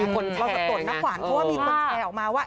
มีคนแชร์เราสับสนนะขวานเพราะว่ามีคนแชร์ออกมาว่า